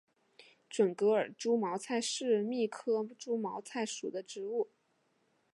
准噶尔猪毛菜是苋科猪毛菜属的植物。